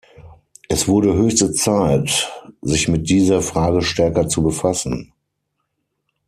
Es wurde höchste Zeit, sich mit dieser Frage stärker zu befassen!